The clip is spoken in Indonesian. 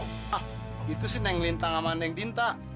hah itu sih neng lintang sama neng dinta